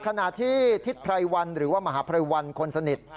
ขณะที่ทิศไพรวันหรือว่ามหาภัยวันคนสนิท